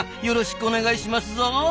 よろしくお願いしますぞ。